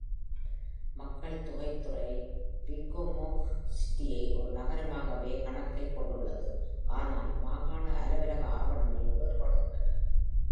மக்கள் தொகை துறை Pocomoke Cityஐ ஒரு நகரமாகவே கணக்கில் கொண்டுள்ளது. ஆனால் மாகாண அலுவலக ஆவணங்கள் வேறுபடுகின்றன.